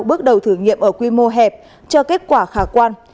bước đầu thử nghiệm ở quy mô hẹp cho kết quả khả quan